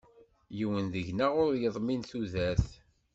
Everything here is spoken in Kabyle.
Yiwen deg-neɣ ur yeḍmin tudert.